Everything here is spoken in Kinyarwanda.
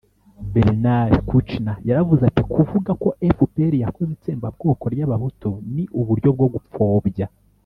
bernard kouchner yaravuze ati kuvuga ko fpr yakoze itsembabwoko ry’abahutu ni uburyo bwo gupfobya.